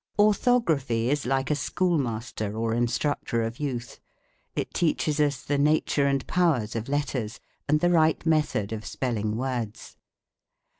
Orthography is like a schoolmaster, or instructor of youth. It teaches us the nature and powers of letters and the right method of spelling words.